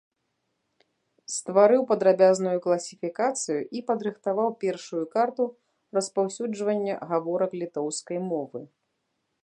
Стварыў падрабязную класіфікацыю і падрыхтаваў першую карту распаўсюджвання гаворак літоўскай мовы.